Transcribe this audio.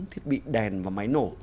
thiết bị đèn và máy nổ